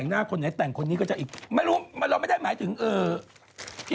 งั้นยังไงหนังเหรอ